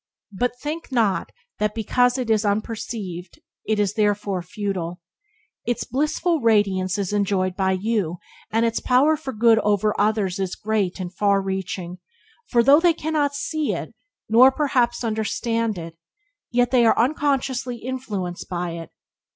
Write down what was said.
But think not that because it is unperceived it is therefore futile. Its blissful radiance is enjoyed by you, and its power for good over others is great and far reaching, for though they cannot see it, nor, perhaps understand it, yet they are unconsciously influenced by it.